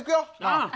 ああ！